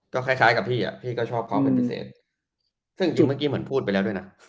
ก็คล้ายคล้ายกับพี่อ่ะพี่ก็ชอบเขาเป็นพิเศษซึ่งจริงเมื่อกี้เหมือนพูดไปแล้วด้วยนะ